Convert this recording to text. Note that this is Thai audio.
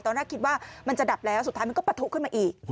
ตอนแรกคิดว่ามันจะดับแล้วสุดท้ายมันก็ปะทุขึ้นมาอีก